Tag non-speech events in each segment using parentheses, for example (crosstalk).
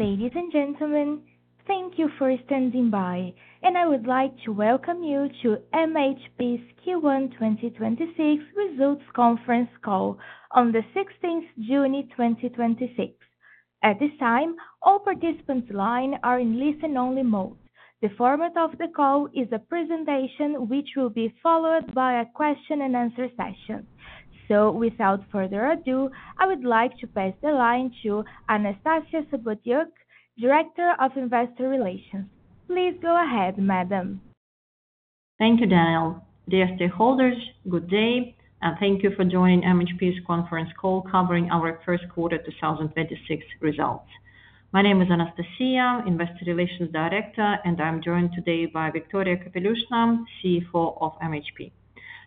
Ladies and gentlemen, thank you for standing by. I would like to welcome you to MHP's Q1 2026 Results Conference Call on the 16th June 2026. At this time, all participants line are in listen only mode. The format of the call is a presentation, which will be followed by a question and answer session. Without further ado, I would like to pass the line to Anastasiya Sobotyuk, Director of Investor Relations. Please go ahead, madam. Thank you, Danielle. Dear stakeholders, good day. Thank you for joining MHP's conference call covering our Q1 2026 results. My name is Anastasiya, Investor Relations Director. I'm joined today by Viktoria Kapelyushnaya, CFO of MHP.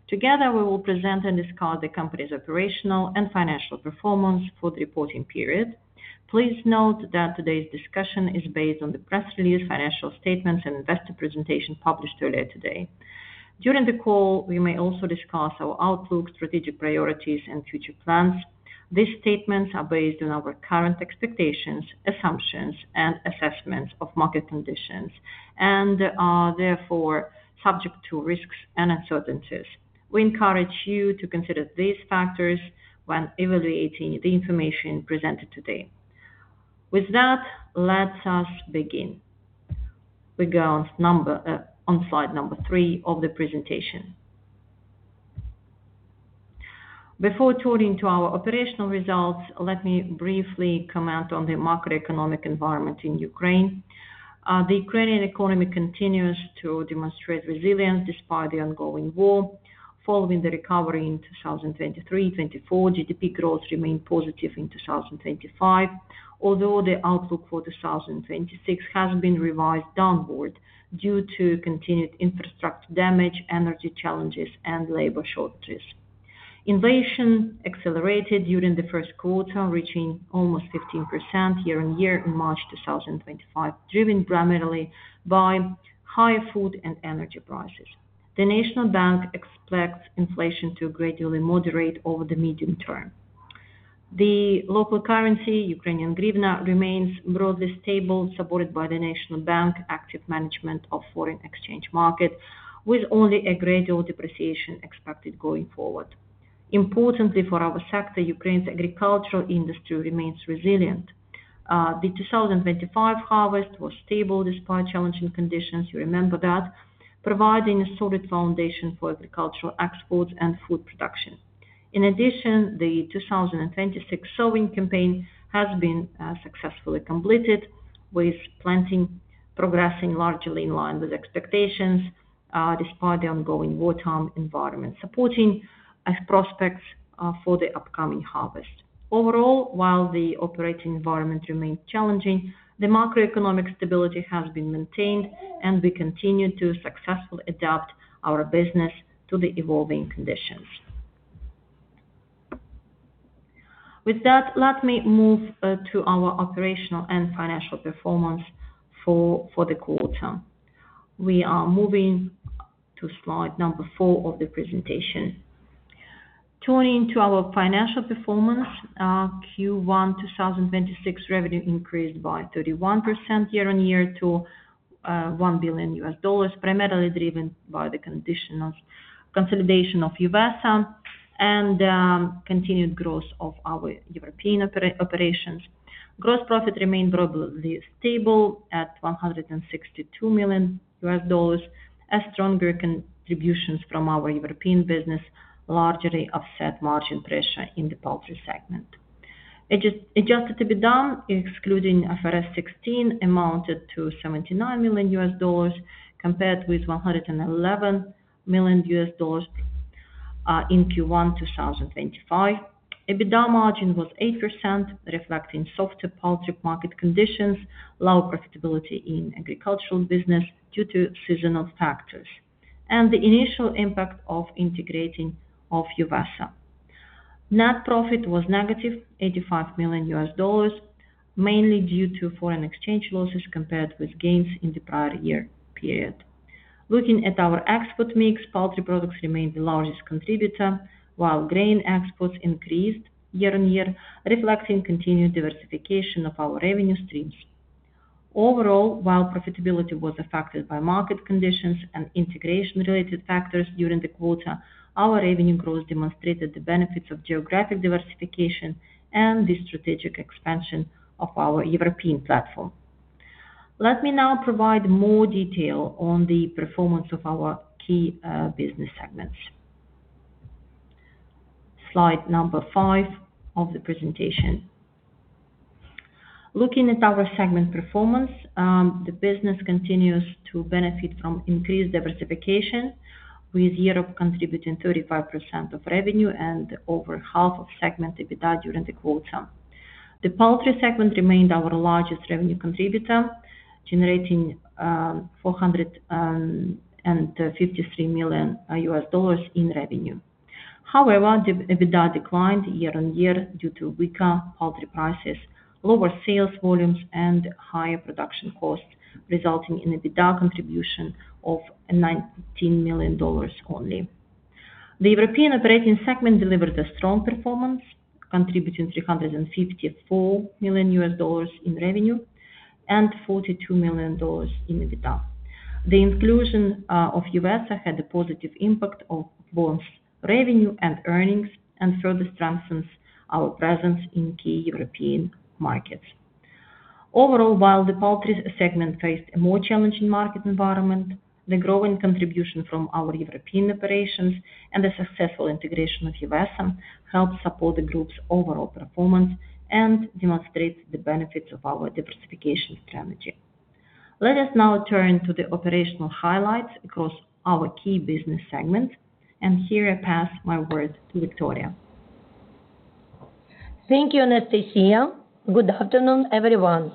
Together, we will present and discuss the company's operational and financial performance for the reporting period. Please note that today's discussion is based on the press release, financial statements, and investor presentation published earlier today. During the call, we may also discuss our outlook, strategic priorities, and future plans. These statements are based on our current expectations, assumptions, and assessments of market conditions, and are therefore subject to risks and uncertainties. We encourage you to consider these factors when evaluating the information presented today. With that, let us begin. We go on slide number 3 of the presentation. Before turning to our operational results, let me briefly comment on the macroeconomic environment in Ukraine. The Ukrainian economy continues to demonstrate resilience despite the ongoing war. Following the recovery in 2023/2024, GDP growth remained positive in 2025, although the outlook for 2026 has been revised downward due to continued infrastructure damage, energy challenges, and labor shortages. Inflation accelerated during the Q1 reaching almost 15% year-on-year in March 2025, driven primarily by higher food and energy prices. The National Bank expects inflation to gradually moderate over the medium term. The local currency, Ukrainian hryvnia, remains broadly stable, supported by the National Bank active management of foreign exchange markets, with only a gradual depreciation expected going forward. Importantly for our sector, Ukraine's agricultural industry remains resilient. The 2025 harvest was stable despite challenging conditions, you remember that, providing a solid foundation for agricultural exports and food production. In addition, the 2026 sowing campaign has been successfully completed, with planting progressing largely in line with expectations despite the ongoing wartime environment, supporting prospects for the upcoming harvest. Overall, while the operating environment remains challenging, macroeconomic stability has been maintained. We continue to successfully adapt our business to the evolving conditions. With that, let me move to our operational and financial performance for the quarter. We are moving to slide number 4 of the presentation. Turning to our financial performance, Q1 2026 revenue increased by 31% year-on-year to $1 billion, primarily driven by the consolidation of Uvesa and continued growth of our European operations. Gross profit remained broadly stable at $162 million. Stronger contributions from our European business largely offset margin pressure in the poultry segment. Adjusted EBITDA, excluding IFRS 16, amounted to $79 million compared with $111 million in Q1 2025. EBITDA margin was 8%, reflecting softer poultry market conditions, lower profitability in agricultural business due to seasonal factors, and the initial impact of integrating Uvesa. Net profit was -$85 million, mainly due to foreign exchange losses compared with gains in the prior year period. Looking at our export mix, poultry products remained the largest contributor, while grain exports increased year-on-year, reflecting continued diversification of our revenue streams. Overall, while profitability was affected by market conditions and integration related factors during the quarter, our revenue growth demonstrated the benefits of geographic diversification and the strategic expansion of our European platform. Let me now provide more detail on the performance of our key business segments. Slide number 5 of the presentation. Looking at our segment performance, the business continues to benefit from increased diversification, with Europe contributing 35% of revenue and over half of segment EBITDA during the quarter. The poultry segment remained our largest revenue contributor, generating $453 million in revenue. The EBITDA declined year-on-year due to weaker poultry prices, lower sales volumes, and higher production costs, resulting in EBITDA contribution of $19 million only. The European operating segment delivered a strong performance, contributing $354 million in revenue and $42 million in EBITDA. The inclusion of Uvesa had a positive impact on both revenue and earnings and further strengthens our presence in key European markets. Overall, while the poultry segment faced a more challenging market environment, the growing contribution from our European operations and the successful integration of Uvesa helped support the group's overall performance and demonstrates the benefits of our diversification strategy. Let us now turn to the operational highlights across our key business segments, and here I pass my word to Viktoria Kapelyushnaya. Thank you, Anastasiya. Good afternoon, everyone.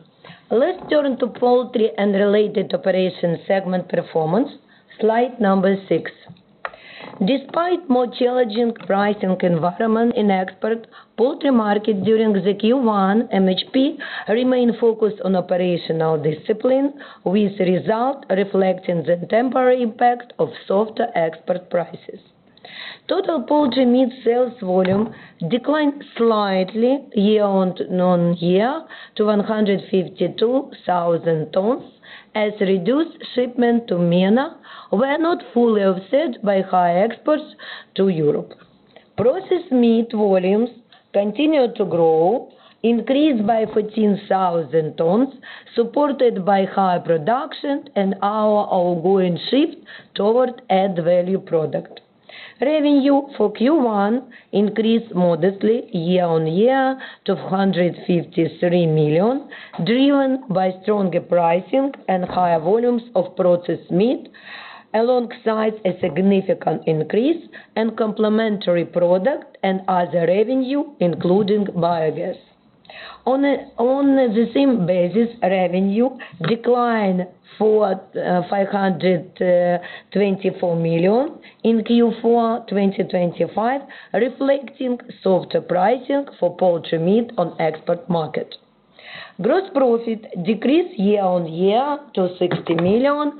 Let's turn to poultry and related operations segment performance. Slide number 6. Despite more challenging pricing environment in export poultry market during the Q1, MHP remain focused on operational discipline, with result reflecting the temporary impact of softer export prices. Total poultry meat sales volume declined slightly year-on-year to 152,000 tons, as reduced shipment to MENA were not fully offset by high exports to Europe. Processed meat volumes continued to grow, increased by 14,000 tons, supported by higher production and our ongoing shift toward add value product. Revenue for Q1 increased modestly year-on-year to $153 million, driven by stronger pricing and higher volumes of processed meat, alongside a significant increase in complementary product and other revenue, including biogas. On the same basis, revenue declined to $524 million in Q4 2025, reflecting softer pricing for poultry meat on export market. Gross profit decreased year-on-year to $60 million,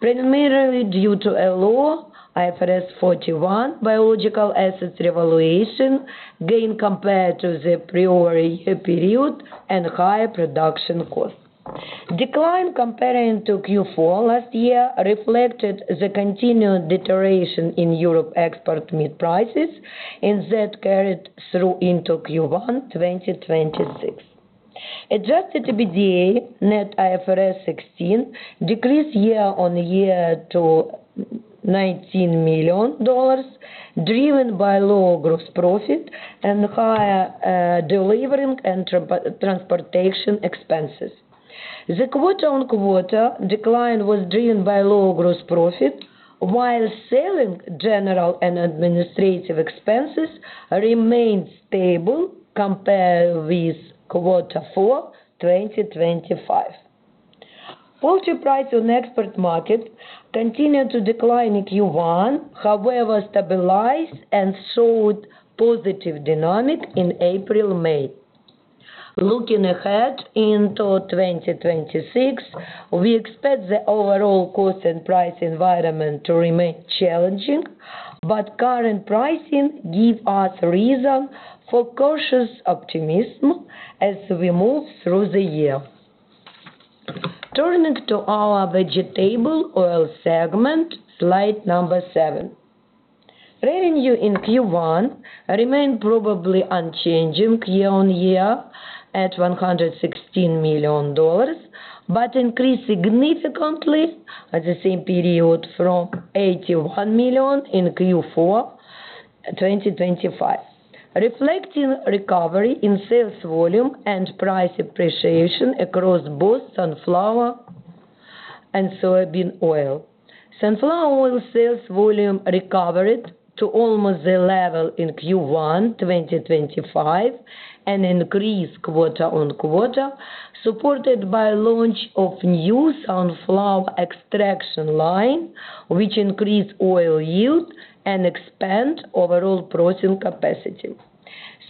primarily due to a low IAS 41 biological assets revaluation gain compared to the prior year period and higher production cost. Decline comparing to Q4 last year reflected the continued deterioration in Europe export meat prices, and that carried through into Q1 2026. Adjusted EBITDA net IFRS 16 decreased year-on-year to $19 million, driven by lower gross profit and higher delivering and transportation expenses. The quarter-on-quarter decline was driven by lower gross profit, while selling general and administrative expenses remained stable compared with Q4 2025. Poultry price on export market continued to decline in Q1, however, stabilized and showed positive dynamic in April/May. Looking ahead into 2026, we expect the overall cost and price environment to remain challenging, but current pricing give us reason for cautious optimism as we move through the year. Turning to our vegetable oil segment, slide 7. Revenue in Q1 remained probably unchanging year-on-year at $116 million, but increased significantly at the same period from $81 million in Q4 2025. Reflecting recovery in sales volume and price appreciation across both sunflower and soybean oil. Sunflower oil sales volume recovered to almost the level in Q1 2025 and increased quarter-on-quarter, supported by launch of new sunflower extraction line, which increased oil yield and expand overall processing capacity.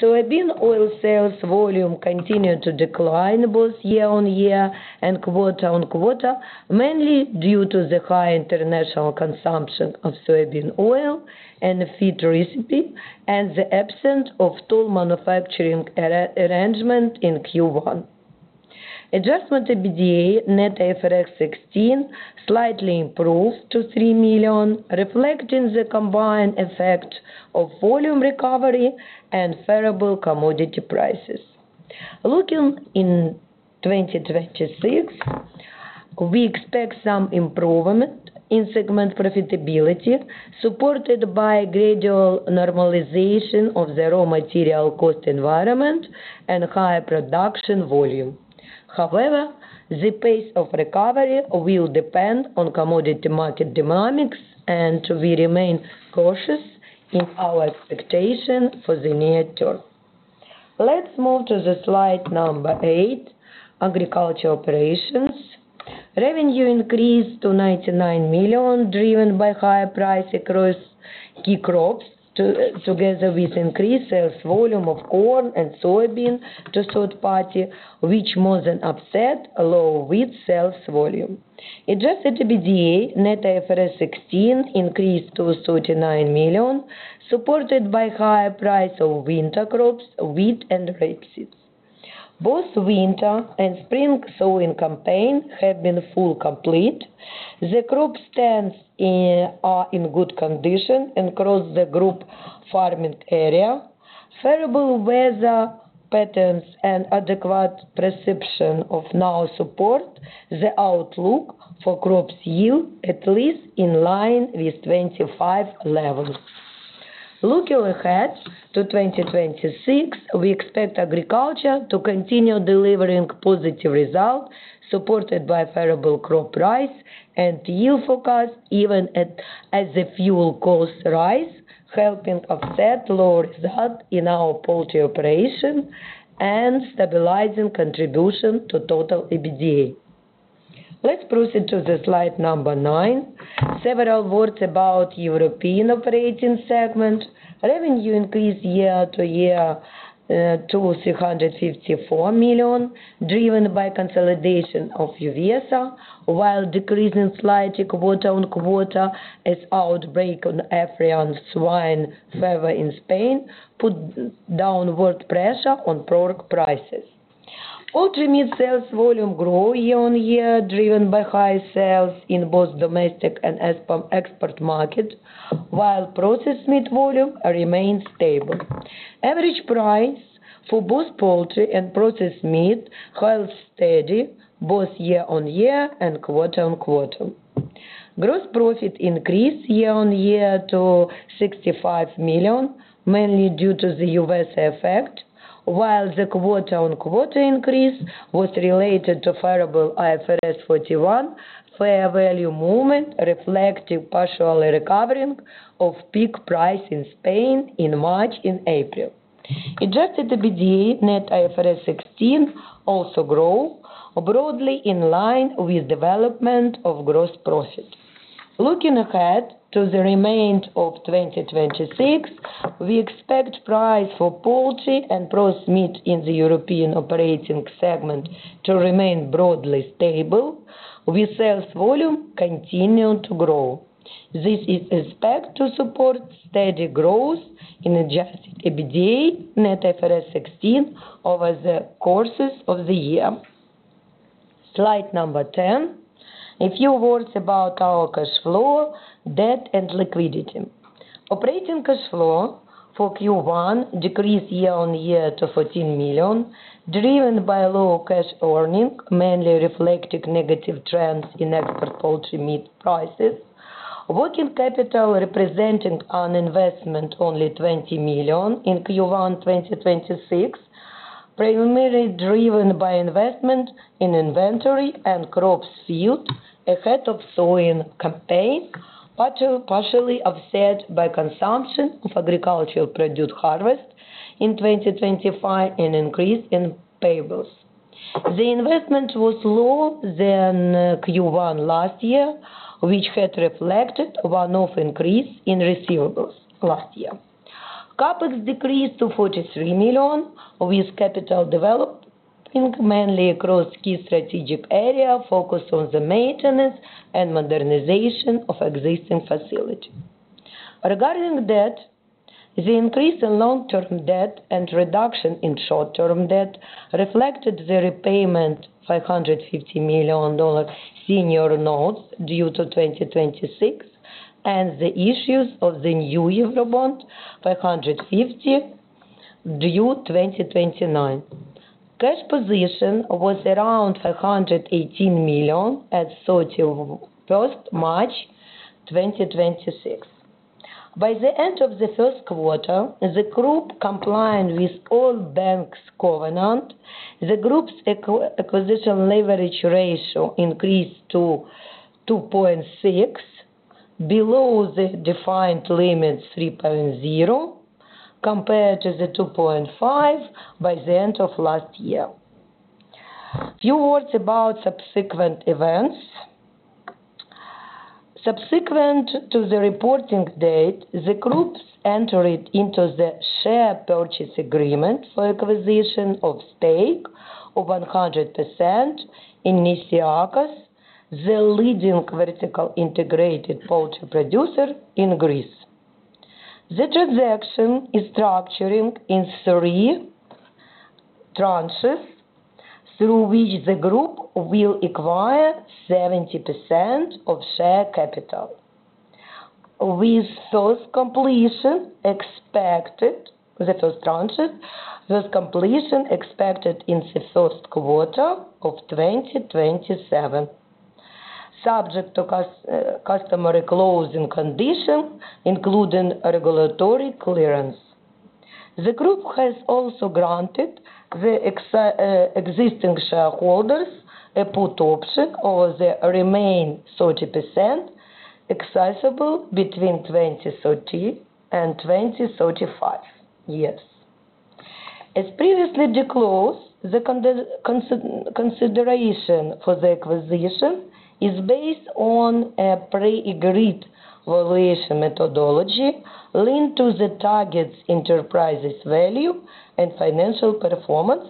Soybean oil sales volume continued to decline both year-on-year and quarter-on-quarter, mainly due to the high international consumption of soybean oil and feed recipe and the absence of toll manufacturing arrangement in Q1. Adjusted EBITDA net IFRS 16 slightly improved to $3 million, reflecting the combined effect of volume recovery and favorable commodity prices. Looking in 2026, we expect some improvement in segment profitability, supported by gradual normalization of the raw material cost environment and higher production volume. However, the pace of recovery will depend on commodity market dynamics, and we remain cautious in our expectation for the near term. Let's move to the slide 8, agriculture operations. Revenue increased to $99 million, driven by higher price across key crops together with increased sales volume of corn and soybean to third party, which more than offset low wheat sales volume. Adjusted EBITDA net IFRS 16 increased to $39 million, supported by higher price of winter crops, wheat and rapeseed. Both winter and spring sowing campaign have been full complete. The group stands are in good condition and across the group farming area. Favorable weather patterns and adequate precipitation now support the outlook for crops yield at least in line with 2025 levels. Looking ahead to 2026, we expect agriculture to continue delivering positive result supported by favorable crop price and yield forecast, even as the fuel costs rise, helping offset lower result in our poultry operation and stabilizing contribution to total EBITDA. Let's proceed to the slide 9. Several words about European operating segment. Revenue increased year-to-year to $354 million, driven by consolidation of Uvesa, while decreasing slightly quarter-on-quarter as outbreak on African swine fever in Spain put downward pressure on pork prices. Poultry meat sales volume grow year-on-year, driven by high sales in both domestic and export market, while processed meat volume remains stable. Average price for both poultry and processed meat held steady both year-on-year and quarter-on-quarter. Gross profit increased year-on-year to $65 million, mainly due to the Uvesa effect, while the quarter-on-quarter increase was related to favorable IAS 41 fair value movement reflective partially recovering of pig price in Spain in March and April. Adjusted EBITDA net IFRS 16 also grow broadly in line with development of gross profit. Looking ahead to the remainder of 2026, we expect price for poultry and processed meat in the European operating segment to remain broadly stable with sales volume continuing to grow. This is expected to support steady growth in adjusted EBITDA net IFRS 16 over the courses of the year. Slide number 10. A few words about our cash flow, debt, and liquidity. Operating cash flow for Q1 decreased year-on-year to $14 million, driven by low cash earning, mainly reflecting negative trends in export poultry meat prices. Working capital representing an investment only $20 million in Q1 2026, primarily driven by investment in inventory and crops field ahead of sowing campaign, partially offset by consumption of agricultural produced harvest in 2025 and increase in payables. The investment was lower than Q1 last year, which had reflected one-off increase in receivables last year. CapEx decreased to $43 million, with capital development mainly across key strategic area focused on the maintenance and modernization of existing facility. Regarding debt, the increase in long-term debt and reduction in short-term debt reflected the repayment $550 million senior notes due to 2026 and the issues of the new Eurobond 550 due 2029. Cash position was around $518 million at March 31st, 2026. By the end of the first quarter, the group compliant with all banks' covenant, the group's acquisition leverage ratio increased to 2.6, below the defined limit 3.0, compared to the 2.5 by the end of last year. Few words about subsequent events. Subsequent to the reporting date, the groups entered into the share purchase agreement for acquisition of stake of 100% in Nitsiakos, the leading vertical integrated poultry producer in Greece. The transaction is structuring in three tranches, through which the group will acquire 70% of share capital. With first completion expected, the first tranche, with completion expected in the Q1 of 2027, subject to customary closing condition, including regulatory clearance. The group has also granted the existing shareholders a put option over the remaining 30% exercisable between 2030 and 2035. Yes. As previously disclosed, the consideration for the acquisition is based on a pre-agreed valuation methodology linked to the target enterprise's value and financial performance,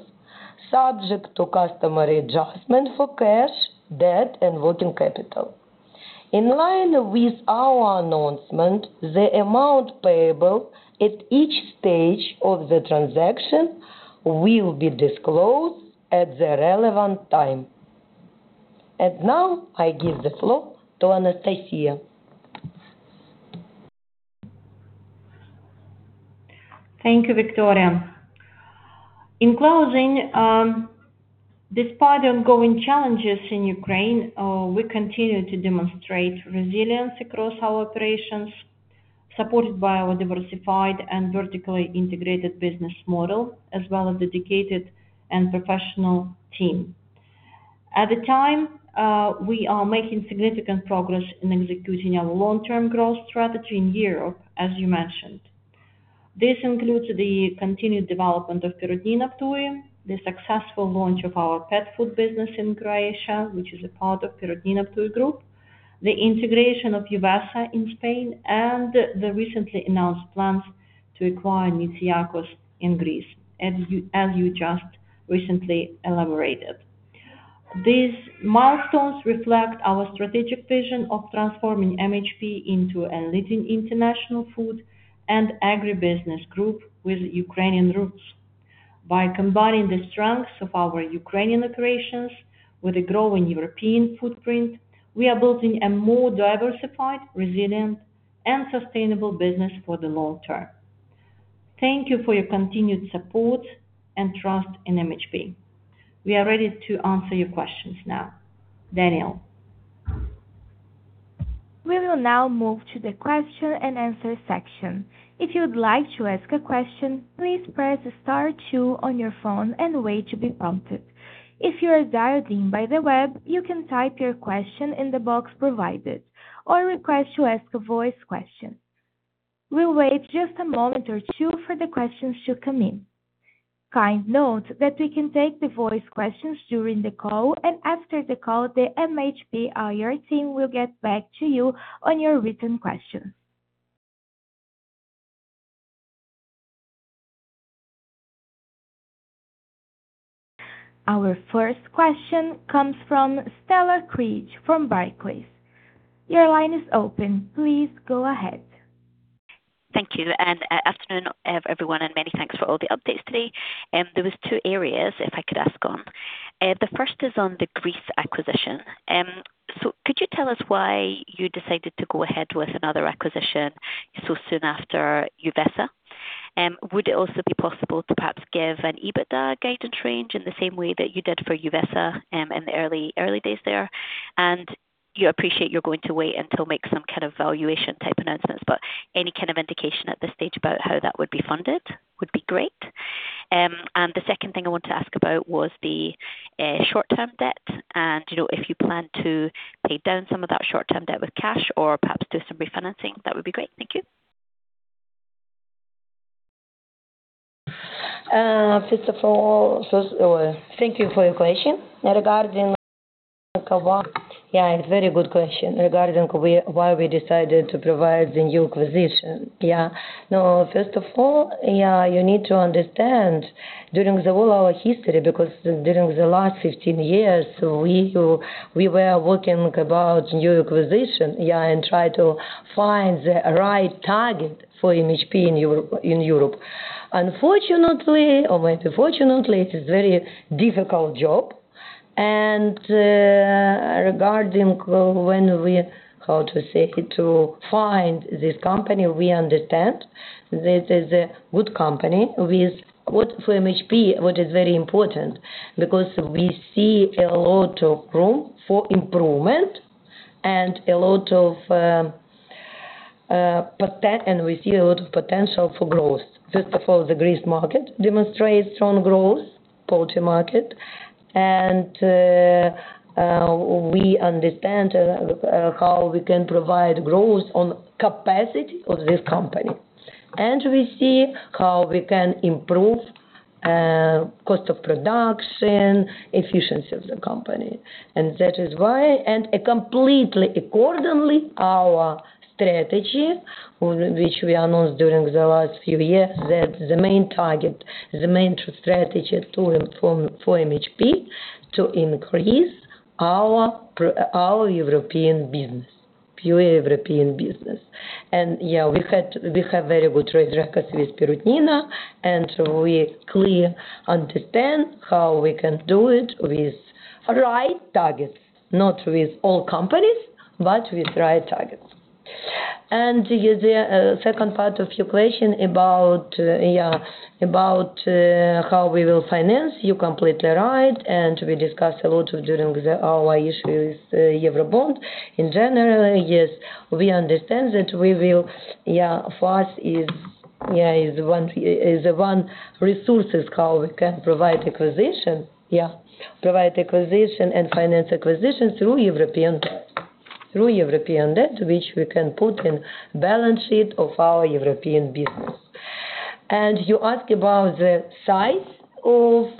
subject to customary adjustment for cash, debt, and working capital. In line with our announcement, the amount payable at each stage of the transaction will be disclosed at the relevant time. Now I give the floor to Anastasiya. Thank you, Viktoria. In closing, despite ongoing challenges in Ukraine, we continue to demonstrate resilience across our operations, supported by our diversified and vertically integrated business model, as well as dedicated and professional team. At the time, we are making significant progress in executing our long-term growth strategy in Europe, as you mentioned. This includes the continued development of Perutnina Ptuj, the successful launch of our pet food business in Croatia, which is a part of Perutnina Ptuj Group, the integration of Uvesa in Spain, and the recently announced plans to acquire Nitsiakos in Greece, as you just recently elaborated. These milestones reflect our strategic vision of transforming MHP into a leading international food and agribusiness group with Ukrainian roots. By combining the strengths of our Ukrainian operations with a growing European footprint, we are building a more diversified, resilient and sustainable business for the long term. Thank you for your continued support and trust in MHP. We are ready to answer your questions now. Danielle. We will now move to the question and answer section. If you would like to ask a question, please press star two on your phone and wait to be prompted. If you are dialing by the web, you can type your question in the box provided or request to ask a voice question. We will wait just a moment or two for the questions to come in. Kind note that we can take the voice questions during the call and after the call, the MHP IR team will get back to you on your written questions. Our first question comes from Stella Cridge from Barclays. Your line is open. Please go ahead. Thank you. Afternoon, everyone, and many thanks for all the updates today. There was two areas if I could ask on. The first is on the Greece acquisition. Could you tell us why you decided to go ahead with another acquisition so soon after Uvesa? Would it also be possible to perhaps give an EBITDA guidance range in the same way that you did for Uvesa in the early days there? You appreciate you're going to wait until make some kind of valuation type announcements, but any kind of indication at this stage about how that would be funded would be great. The second thing I want to ask about was the short-term debt and if you plan to pay down some of that short-term debt with cash or perhaps do some refinancing, that would be great. Thank you. First of all, thank you for your question. It's very good question regarding why we decided to provide the new acquisition. Now, first of all, you need to understand during the whole our history, because during the last 15 years, we were working about new acquisition and try to find the right target for MHP in Europe. Unfortunately or fortunately, it is very difficult job. Regarding when we, how to say, to find this company, we understand this is a good company with what, for MHP, what is very important because we see a lot of room for improvement and we see a lot of potential for growth. First of all, the Greek market demonstrates strong growth, poultry market. We understand how we can provide growth on capacity of this company. We see how we can improve cost of production, efficiency of the company. That is why, completely accordingly, our strategy, which we announced during the last few years, that the main target, the main strategy for MHP to increase our European business, pure European business. We have very good track records with Perutnina, and we clear understand how we can do it with right targets, not with all companies, but with right targets. The second part of your question about how we will finance, you're completely right, and we discussed a lot during our issue with Eurobond. In general, yes, we understand that we will, first is the one resources how we can provide acquisition and finance acquisitions through European debt. Through European debt, which we can put in balance sheet of our European business. You ask about the size of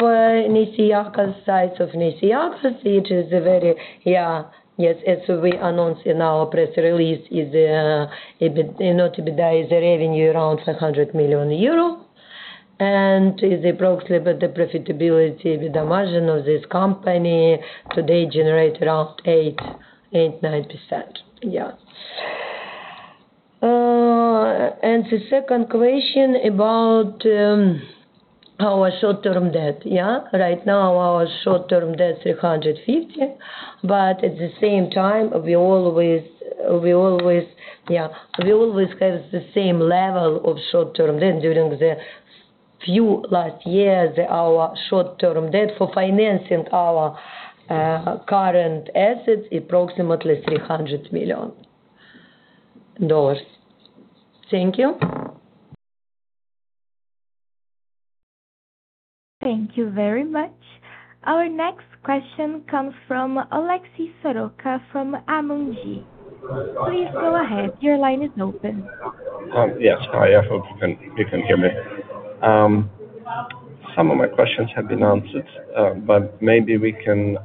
Nitsiakos. Size of Nitsiakos, which is very-- Yes, as we announced in our press release, is EBITDA is a revenue around 100 million euro. Is approximately the profitability with the margin of this company today generate around 8%-9%. The second question about our short-term debt. Right now our short-term debt is $350 million, but at the same time, we always have the same level of short-term debt during the few last years. Our short-term debt for financing our current assets, approximately $300 million. Thank you. Thank you very much. Our next question comes from Oleksiy Soroka from ING. Please go ahead. Your line is open. Yes. Hi, I hope you can hear me. Some of my questions have been answered, Maybe we can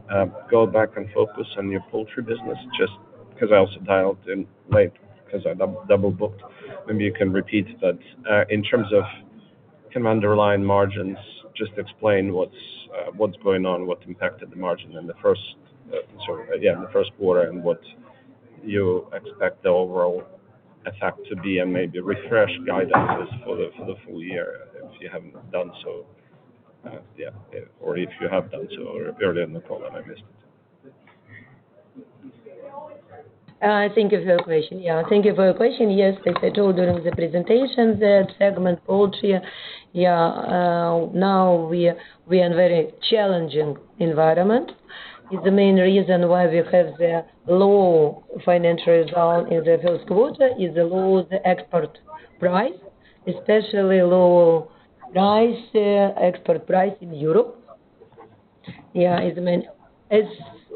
go back and focus on your poultry business, just because I also dialed in late because I double-booked. Maybe you can repeat that, in terms of underlying margins, just explain what's going on, what impacted the margin in the Q1 and what you expect the overall effect to be and maybe refresh guidance for the full year if you haven't done so. If you have done so earlier in the call and I missed it. Thank you for your question. Yes, as I told during the presentation, the segment poultry, now we are in very challenging environment. It's the main reason why we have the low financial result in Q1 is the low export price, especially low export price in Europe. As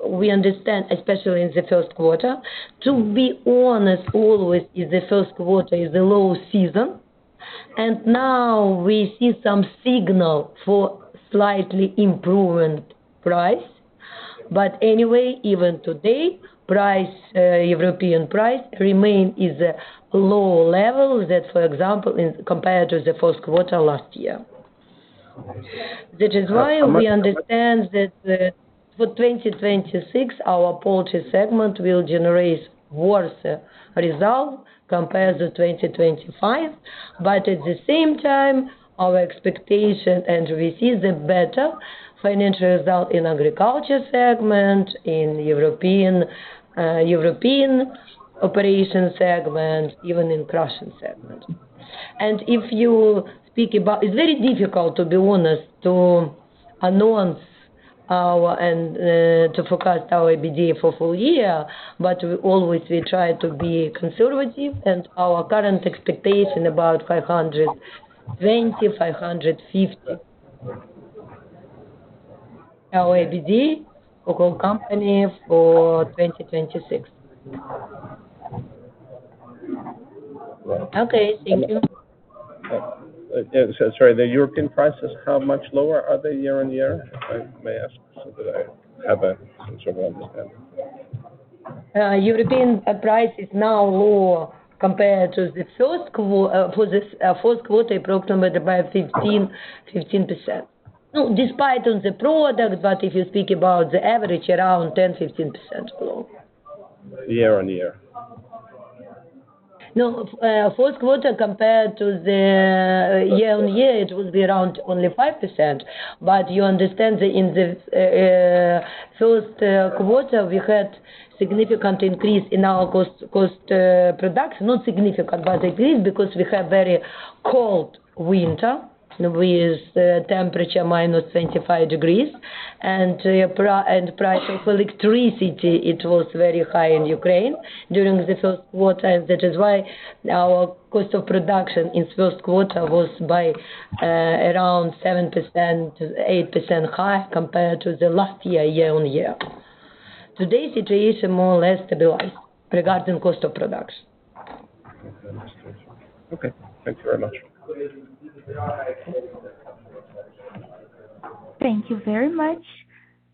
we understand, especially in Q1, to be honest, always Q1 is the low season, Now we see some signal for slightly improvement price. Anyway, even today, European price remain is low level that, for example, compared to Q1 last year. That is why we understand that for 2026, our poultry segment will generate worse result compared to 2025. At the same time, our expectation and we see the better financial result in agriculture segment, in European operation segment, even in Russian segment. It's very difficult, to be honest, to announce and to forecast our EBITDA for full year, We always try to be conservative and our current expectation about $520, $550 our EBITDA for whole company for 2026. Okay, thank you. Sorry, the European prices, how much lower are they year-on-year? May I ask, so that I have a sort of understand. European price is now lower compared to the first quarter, approximately by 15%. Despite on the product, but if you speak about the average, around 10%, 15% low. Year-on-year? No, Q1 compared to the year-on-year, it would be around only 5%, but you understand that in Q1, we had significant increase in our cost production. Not significant, but increase because we have very cold winter with temperature -25 degrees and price of electricity, it was very high in Ukraine during Q1. That is why our cost of production in Q1 was by around 7%-8% high compared to the last year-on-year. Today, situation more or less stabilized regarding cost of production. Okay. Thanks very much. Thank you very much.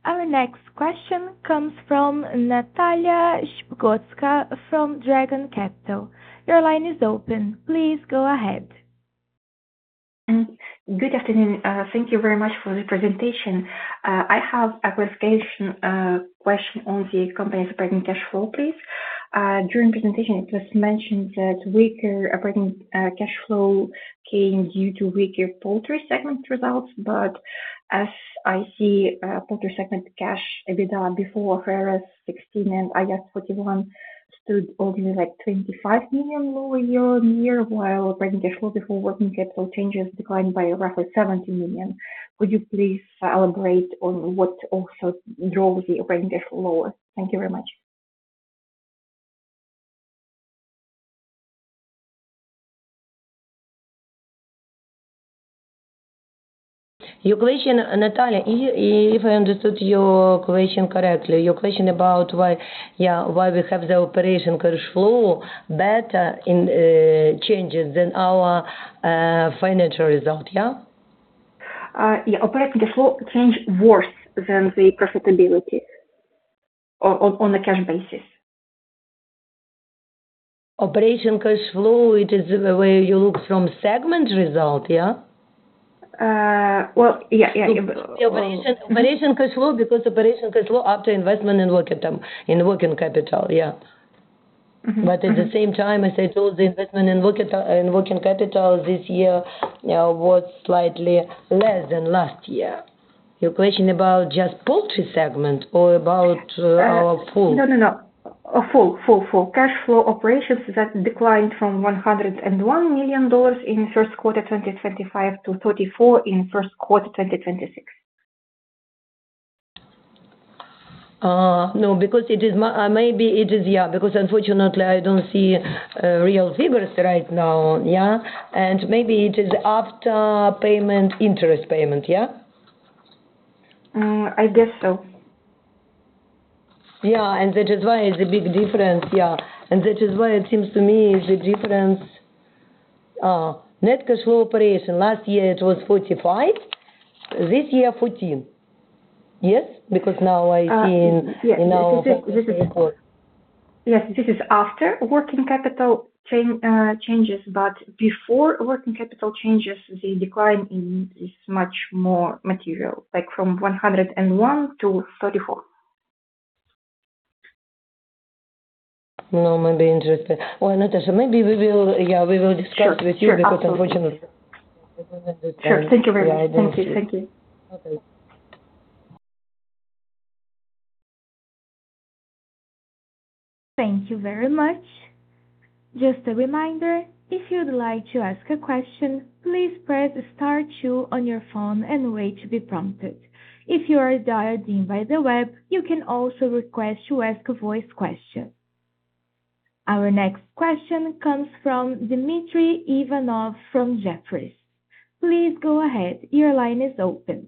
Our next question comes from Natalia Shpygotska from Dragon Capital. Your line is open. Please go ahead. Good afternoon. Thank you very much for the presentation. I have a quick question on the company's operating cash flow, please. During presentation, it was mentioned that weaker operating cash flow came due to weaker poultry segment results. As I see, poultry segment cash, EBITDA before IFRS 16 and IAS 41 stood only like $25 million lower year-on-year, while operating cash flow before working capital changes declined by roughly $70 million. Could you please elaborate on what also drove the operating cash flow lower? Thank you very much. Natalia, if I understood your question correctly, your question about why we have the operation cash flow better in changes than our financial result, yeah? Yeah. Operating cash flow change worse than the profitability on the cash basis. Operating cash flow, it is the way you look from segment result, yeah? Well, yeah. Operating cash flow, because operating cash flow after investment in working capital. Yeah. At the same time, as I told, the investment in working capital this year was slightly less than last year. Your question about just poultry segment or about our full? No. Cash flow operations that declined from $101 million in Q1 2025 to $34 million in Q1 2026. No, because unfortunately I don't see real figures right now. Yeah. Maybe it is after interest payment. Yeah? I guess so. Yeah. That is why it's a big difference. Yeah. That is why it seems to me the difference. Net cash flow operation, last year it was $45 million, this year $14 million. Yes? Now I see in our- Yes. This is after working capital changes, but before working capital changes, the decline is much more material, like from $101 to $34. No, maybe interest-- well, Natasha, maybe we will discuss with you- Sure. Absolutely. (audio distortion) unfortunately. Sure. Thank you very much. Yeah, I don't see. Thank you. Okay. Thank you very much. Just a reminder, if you'd like to ask a question, please press star two on your phone and wait to be prompted. If you are dialed in by the web, you can also request to ask a voice question. Our next question comes from Dmitry Ivanov from Jefferies. Please go ahead. Your line is open.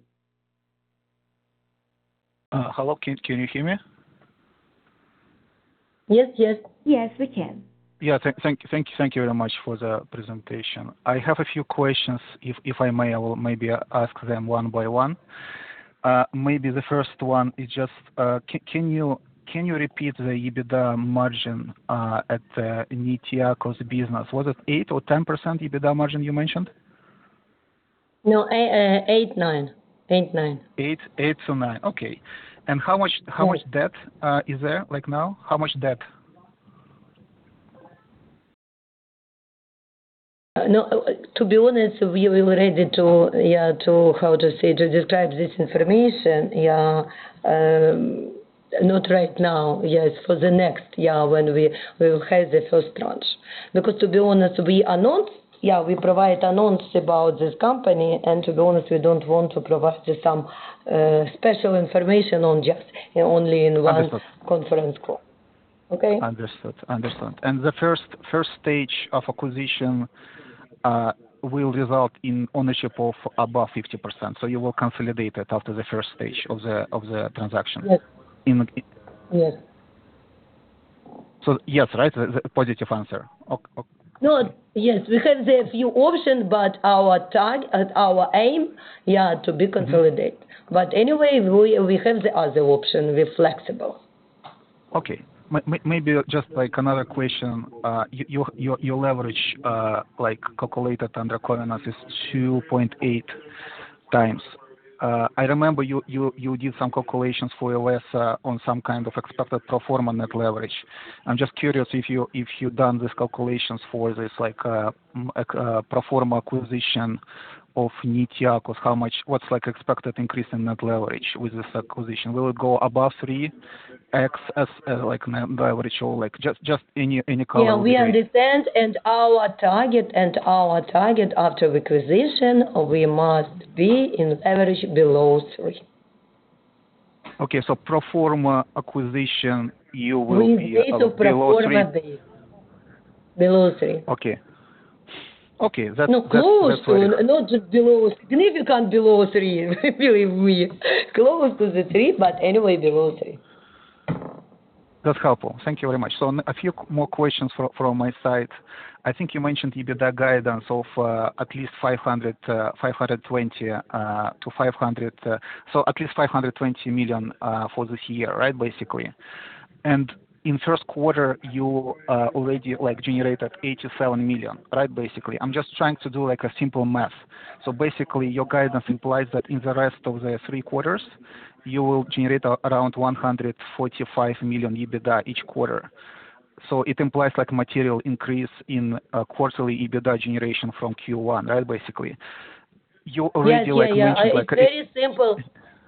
Hello, can you hear me? Yes. Yes, we can. Yeah. Thank you very much for the presentation. I have a few questions, if I may, maybe ask them one by one. Maybe the first one is just, can you repeat the EBITDA margin, at the Nitsiakos business? Was it eight or 10% EBITDA margin you mentioned? No, 8%, 9%. 8%-9%. Okay. How much debt is there like now? How much debt? No, to be honest, we will be ready to describe this information, not right now. It's for the next year when we will have the first tranche. To be honest, we provide announce about this company, and to be honest, we don't want to provide you some special information on just only in one conference call. Okay? Understood. The first stage of acquisition will result in ownership of above 50%. You will consolidate it after the first stage of the transaction? Yes. Yes right? A positive answer. Okay. No. Yes, we have a few options, our aim to be consolidate. Anyway, we have the other option. We're flexible. Okay. Maybe just like another question. Your leverage, like calculated under core analysis 2.8x. I remember you did some calculations for us, on some kind of expected pro forma net leverage. I'm just curious if you've done these calculations for this, like pro forma acquisition of Nitsiakos, what's like expected increase in net leverage with this acquisition? Will it go above 3x as like net leverage, or like just any color? Yeah, we understand, our target after acquisition, we must be in leverage below 3x. Okay. Pro forma acquisition, you will be below 3x? In case of pro forma, below 3x. Okay. That's- No, close to, not just below. Significant below 3x, believe me. Close to the 3x, anyway, below 3x. That's helpful. Thank you very much. A few more questions from my side. I think you mentioned EBITDA guidance of at least $520 million for this year, right? Basically. In Q1 you already generated $87 million, right, basically. I'm just trying to do like a simple math. Basically your guidance implies that in the rest of the three quarters you will generate around $145 million EBITDA each quarter. It implies like a material increase in quarterly EBITDA generation from Q1, right, basically. Yeah. Very simple.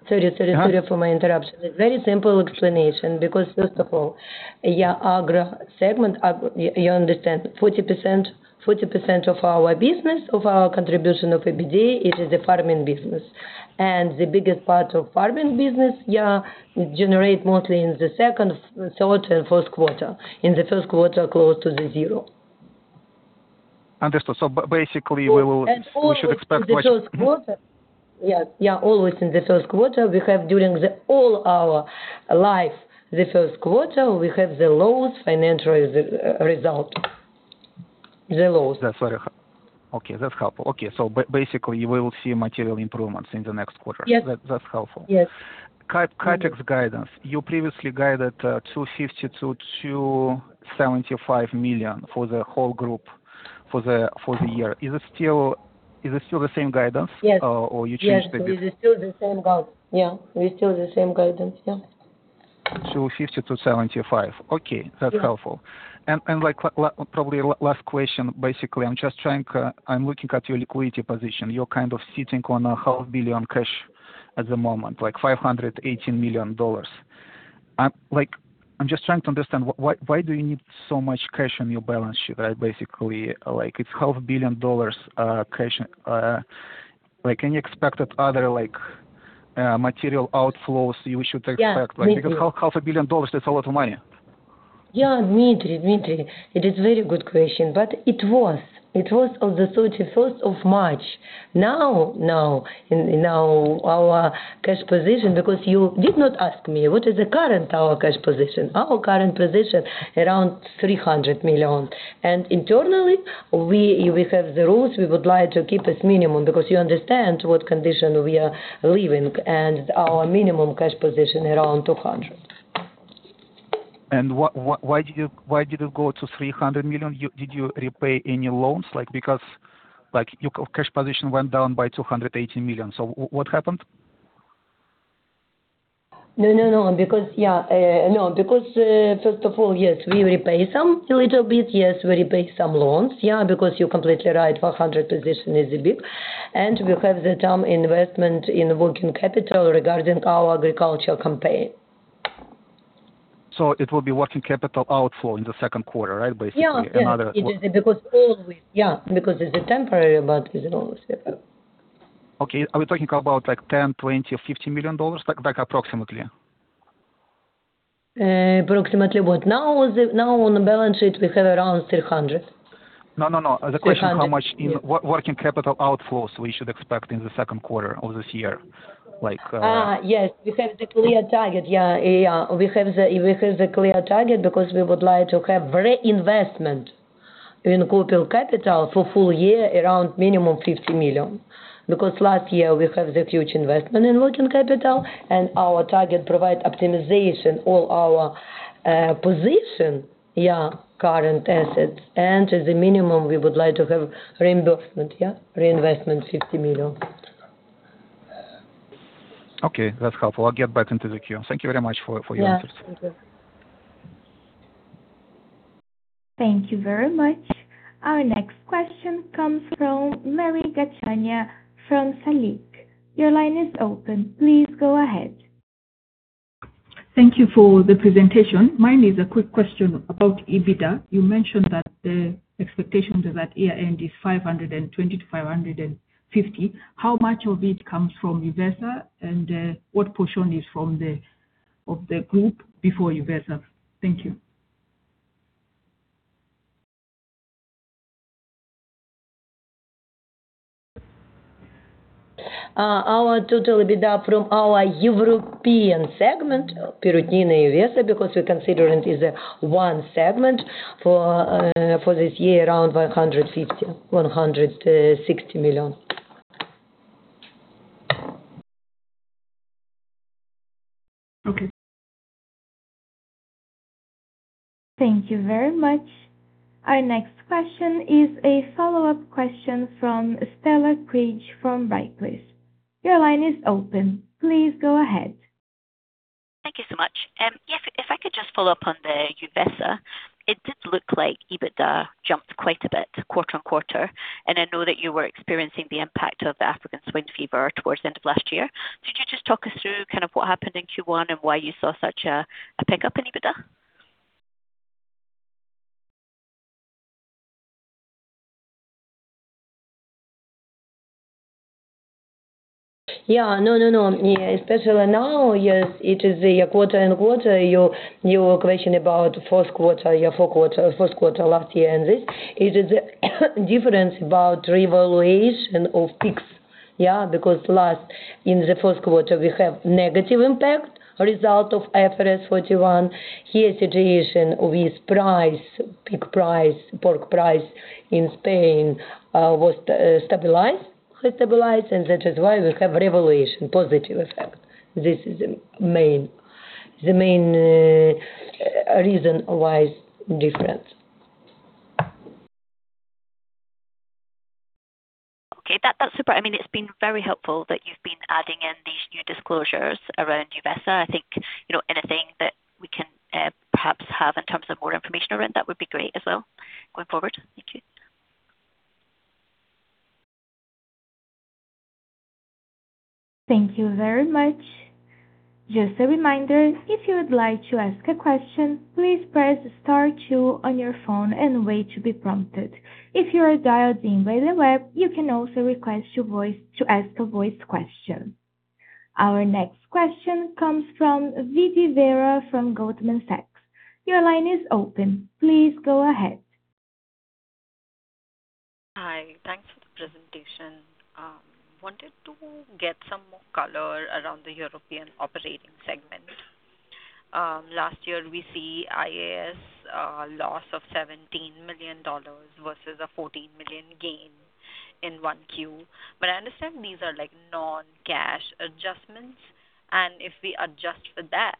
Sorry for my interruption. Very simple explanation because first of all, Agri segment, you understand 40% of our business, of our contribution of EBITDA, it is the farming business. The biggest part of farming business generate mostly in the Q2, Q3, and Q4. In the Q1, close to zero. Understood. Basically we should expect- Yeah, always in the Q1. During all our life, the Q1, we have the lowest financial result. Zero. That's very helpful. Okay, that's helpful. Basically, you will see material improvements in the next quarter. Yes. That's helpful. Yes. CapEx guidance. You previously guided $250 million-$275 million for the whole group for the year. Is it still the same guidance? Yes. You changed a bit? Yes, we're still the same guidance. Yeah. 250-275. Okay. Yeah. That's helpful. Probably last question. Basically, I'm looking at your liquidity position. You're sitting on a half billion cash at the moment, like $518 million. I'm just trying to understand, why do you need so much cash on your balance sheet? Basically, it's $500 million cash. Can you expect other material outflows you should expect? Yeah. $500 million, that's a lot of money. Yeah, Dmitry. It was on March 31st. Our cash position, because you did not ask me, what is the current our cash position. Our current position around $300 million. Internally, we have the rules. We would like to keep it minimum because you understand what condition we are leaving, and our minimum cash position around $200 million. Why did you go to $300 million? Did you repay any loans? Your cash position went down by $280 million. What happened? No. First of all, yes, we repay some, a little bit. Yes, we repay some loans. You're completely right, $400 million position is big. We have the term investment in working capital regarding our agricultural campaign. It will be working capital outflow in the Q2, basically. Another quarter. Yeah. It's temporary (audio distortion) Okay. Are we talking about $10 million, $20 million, or $50 million, approximately? Approximately what? Now on the balance sheet, we have around $300 million. No. $300 million. How much in working capital outflows we should expect in the Q2 of this year? Yes. We have the clear target. We have the clear target because we would like to have reinvestment in working capital for full year around minimum $50 million. Because last year we have the huge investment in working capital, and our target provide optimization all our position. Current assets. And as a minimum, we would like to have reimbursement. Reinvestment $50 million. Okay. That's helpful. I'll get back into the queue. Thank you very much for your answers. Thank you. Thank you very much. Our next question comes from Mary Gachanja from Salik. Your line is open. Please go ahead. Thank you for the presentation. Mine is a quick question about EBITDA. You mentioned that the expectation is that year-end is $520 million-$550 million. How much of it comes from Uvesa, and what portion is of the group before Uvesa? Thank you. Our total EBITDA from our European segment, Perutnina and Uvesa, because we consider it is a one segment for this year, around $150 million-$160 million. Okay. Thank you very much. Our next question is a follow-up question from Stella Cridge from Barclays. Your line is open. Please go ahead. Thank you so much. I could just follow up on the Uvesa. It did look like EBITDA jumped quite a bit quarter-on-quarter, and I know that you were experiencing the impact of the African swine fever towards the end of last year. Could you just talk us through kind of what happened in Q1 and why you saw such a pick-up in EBITDA? Yeah. Especially now, yes, it is the quarter-on-quarter. Your question about Q1 last year, this is the difference about revaluation of pigs. Yeah. Last in the Q4, we have negative impact result of IAS 41. Here situation with price, pig price, pork price in Spain was stabilized, that is why we have revaluation, positive effect. This is the main reason why different. Okay. That's super. It's been very helpful that you've been adding in these new disclosures around Uvesa. I think anything that we can perhaps have in terms of more information around that would be great as well going forward. Thank you. Thank you very much. Just a reminder, if you would like to ask a question, please press star two on your phone and wait to be prompted. If you are dialed in by the web, you can also request to ask a voice question. Our next question comes from Vivi Vera from Goldman Sachs. Your line is open. Please go ahead. Hi. Thanks for the presentation. Wanted to get some more color around the European operating segment. Last year we see IAS loss of $17 million versus a $14 million gain in Q1. I understand these are non-cash adjustments, if we adjust for that,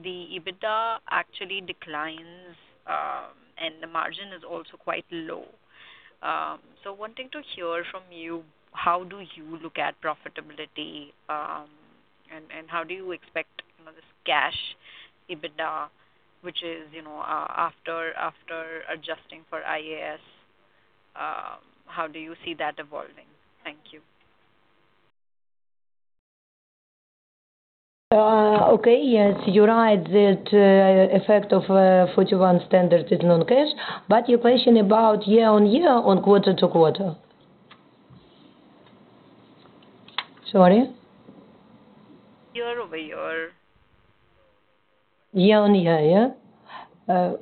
the EBITDA actually declines, and the margin is also quite low. Wanting to hear from you, how do you look at profitability, and how do you expect this cash EBITDA, which is, after adjusting for IAS, how do you see that evolving? Thank you. Okay. Yes, you're right, that effect of 41 standard is non-cash, your question about year-on-year or quarter-to-quarter? Sorry. Year-over-year. Year-over-year, yeah? Yeah.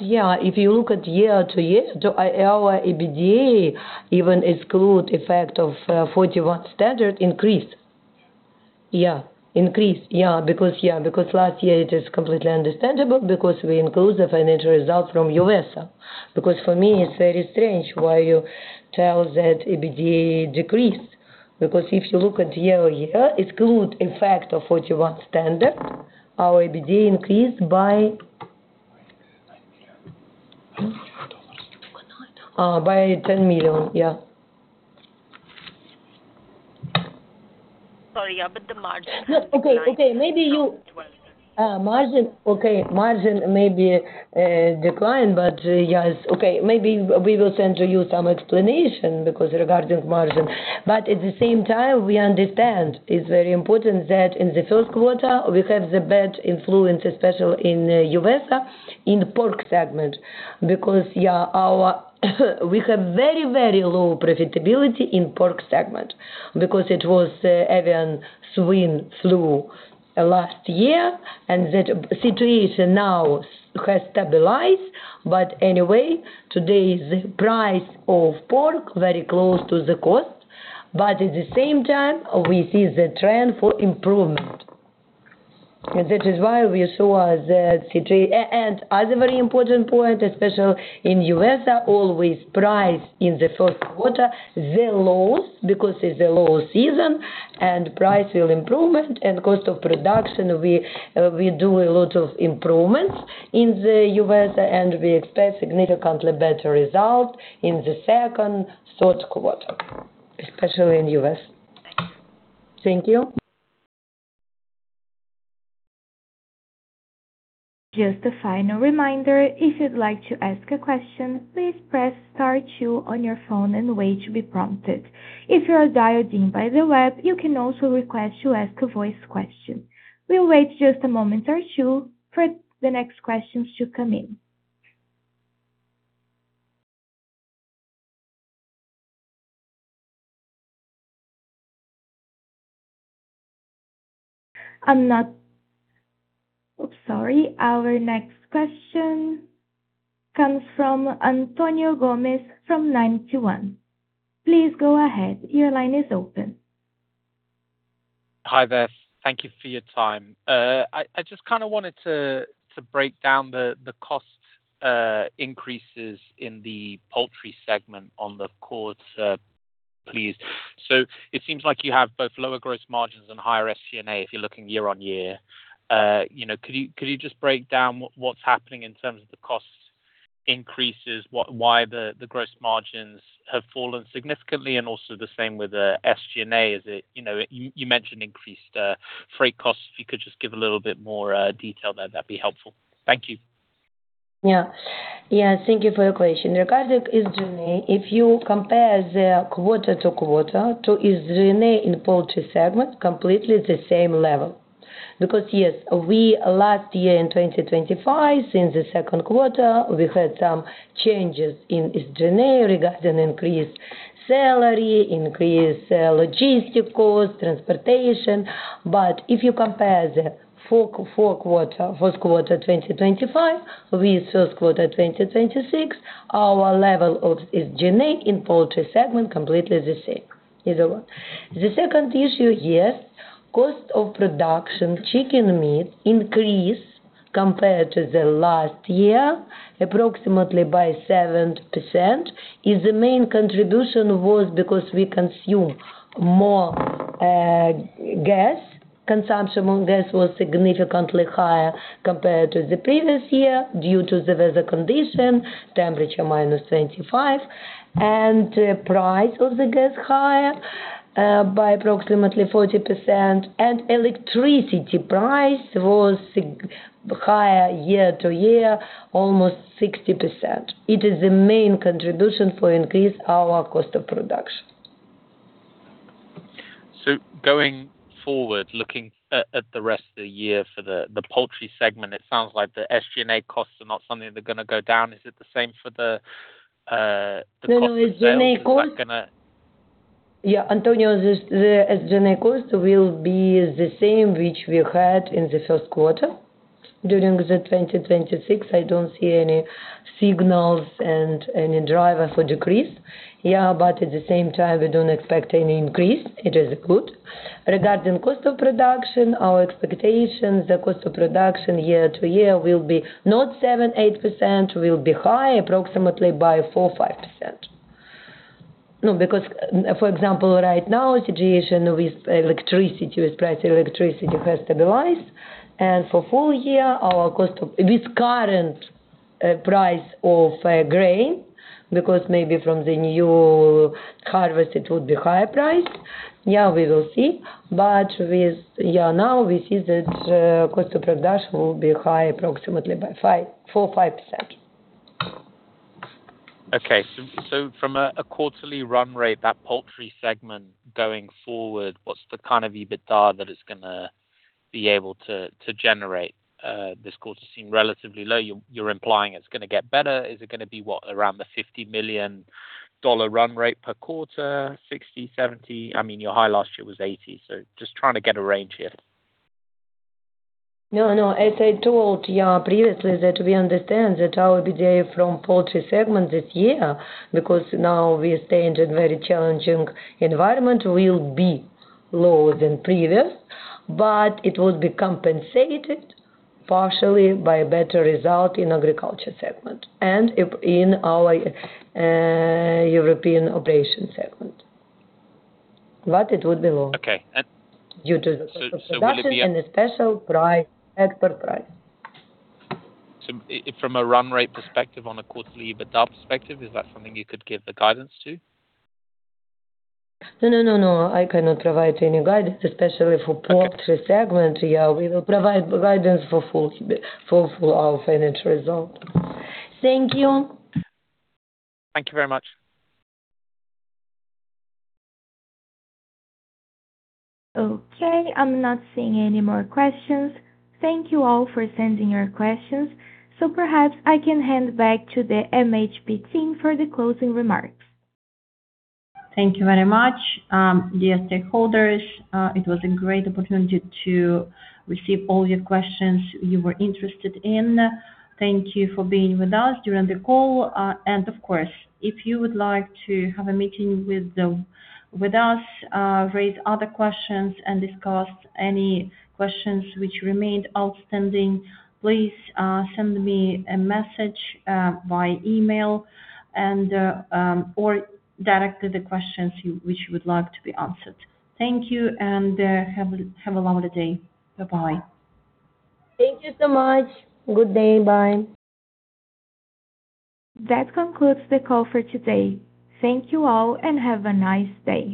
Yeah, if you look at year-over-year, our EBITDA, even exclude effect of 41 standard, increase. Yeah. Increase. Yeah. Because last year it is completely understandable because we include the financial result from Uvesa. Because for me, it's very strange why you tell that EBITDA decreased, because if you look at year-over-year, exclude effect of 41 standard, our EBITDA increased by $10 million. Yeah. Sorry, yeah, the margin- (audio distortion) No. Okay. Okay. Margin maybe decline. Yes. Okay. Maybe we will send you some explanation because regarding margin. At the same time, we understand it's very important that in Q1 we have the bad influence, especially in Uvesa, in pork segment. We have very, very low profitability in pork segment because it was African swine fever last year, and the situation now has stabilized. Anyway, today's price of pork very close to the cost. At the same time, we see the trend for improvement. Other very important point, especially in Uvesa, always price in Q1, they're low because it's a low season, and price will improvement and cost of production, we do a lot of improvements in the Uvesa, and we expect significantly better result in Q2, Q3, especially in Uvesa. Thank you. Just a final reminder, if you'd like to ask a question, please press star two on your phone and wait to be prompted. If you are dialed in by the web, you can also request to ask a voice question. We'll wait just a moment or two for the next questions to come in. Oops, sorry. Our next question comes from Antonio Luiz Gomes from Ninety One. Please go ahead. Your line is open. Hi there. Thank you for your time. I just wanted to break down the cost increases in the poultry segment on the quarter, please. It seems like you have both lower gross margins and higher SG&A if you're looking year-over-year. Could you just break down what's happening in terms of the cost increases, why the gross margins have fallen significantly and also the same with the SG&A? You mentioned increased freight costs. If you could just give a little bit more detail there, that'd be helpful. Thank you. Thank you for your question. Regarding SG&A, if you compare the quarter-to-quarter to SG&A in poultry segment, completely the same level. Because, yes, we last year in 2025, since Q2, we had some changes in SG&A regarding increased salary, increased logistic cost, transportation. But if you compare Q1 2025 with Q1 2026, our level of SG&A in poultry segment completely the same. The second issue here, cost of production chicken meat increased compared to the last year approximately by 7%. The main contribution was because we consume more gas. Consumption of gas was significantly higher compared to the previous year due to the weather condition, temperature -25 degrees. Price of the gas higher, by approximately 40%, and electricity price was higher year-to-year, almost 60%. It is the main contribution for increase our cost of production. Going forward, looking at the rest of the year for the poultry segment, it sounds like the SG&A costs are not something that are going to go down. Is it the same for the cost of sales? Antonio, the SGA cost will be the same which we had in Q1 during the 2026. I don't see any signals and any driver for decrease. At the same time, we don't expect any increase. It is good. Regarding cost of production, our expectations, the cost of production year-to-year will be not 7%-8%, will be high approximately by 4%-5%. Because for example, right now, situation with electricity, with price electricity has stabilized. For full year, with current price of grain, because maybe from the new harvest it would be higher price. We will see. Now, we see that cost of production will be high approximately by 4%-5%. From a quarterly run rate, that poultry segment going forward, what's the kind of EBITDA that it's going to be able to generate this quarter? Seem relatively low. You're implying it's going to get better. Is it going to be, what, around the $50 million run rate per quarter, $60 million, $70 million? I mean, your high last year was $80 million. Just trying to get a range here. As I told you previously that we understand that our EBITDA from poultry segment this year, because now we stay in a very challenging environment, will be lower than previous. It would be compensated partially by better result in agriculture segment and in our European operation segment. It would be low. Okay. Due to the cost of production and- Will it be a- -the special price, export price. From a run rate perspective, on a quarterly EBITDA perspective, is that something you could give the guidance to? No. I cannot provide any guidance, especially for poultry segment. Yeah, we will provide guidance for full financial result. Thank you. Thank you very much. Okay. I'm not seeing any more questions. Thank you all for sending your questions. Perhaps I can hand back to the MHP team for the closing remarks. Thank you very much. Dear stakeholders, it was a great opportunity to receive all your questions you were interested in. Thank you for being with us during the call. Of course, if you would like to have a meeting with us, raise other questions, and discuss any questions which remained outstanding, please send me a message by email or directly the questions which you would like to be answered. Thank you, and have a lovely day. Bye-bye. Thank you so much. Good day. Bye. That concludes the call for today. Thank you all, have a nice day.